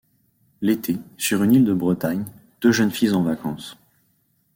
L'été, sur une île de Bretagne, deux jeunes filles en vacances.